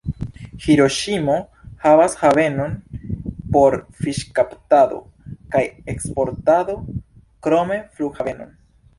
Hiroŝimo havas havenon por fiŝkaptado kaj eksportado, krome flughavenon.